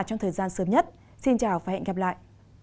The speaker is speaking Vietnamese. trong thời gian sớm nhất xin chào và hẹn gặp lại